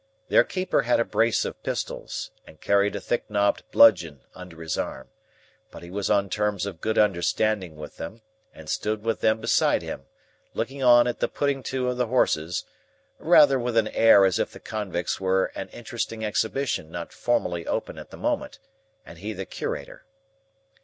Their keeper had a brace of pistols, and carried a thick knobbed bludgeon under his arm; but he was on terms of good understanding with them, and stood with them beside him, looking on at the putting to of the horses, rather with an air as if the convicts were an interesting Exhibition not formally open at the moment, and he the Curator.